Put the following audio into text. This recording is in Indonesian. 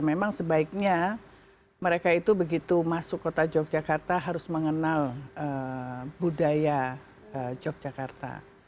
memang sebaiknya mereka itu begitu masuk kota yogyakarta harus mengenal budaya yogyakarta